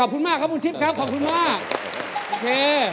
วันนี้คำถามของทุกคนอยู่ละครับ